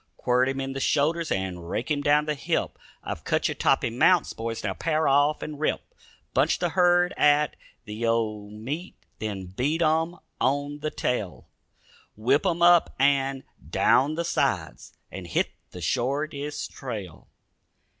Quirt him in the shoulders and rake him down the hip; I've cut you toppy mounts, boys, now pair off and rip. Bunch the herd at the old meet, Then beat 'em on the tail; Whip 'em up and down the sides And hit the shortest trail."